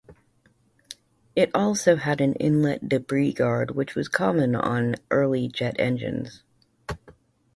It also had an inlet debris guard which was common on early jet engines.